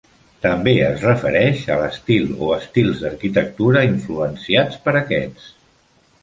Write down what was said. També es refereix a l'estil o estils d'arquitectura influenciats per aquests.